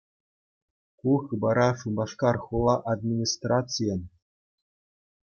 Ку хыпара Шупашкар хула администрацийӗн